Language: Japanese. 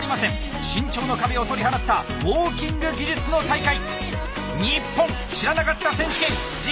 身長の壁を取り払ったウォーキング技術の大会！